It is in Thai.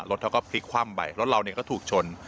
รถเขาก็พลิกคว่ำไปรถเราเนี่ยก็ถูกชน